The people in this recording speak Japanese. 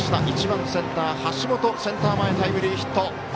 １番、センター橋本センター前タイムリーヒット。